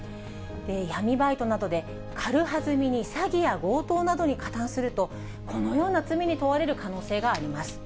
闇バイトなどで軽はずみに詐欺や強盗などに加担すると、このような罪に問われる可能性があります。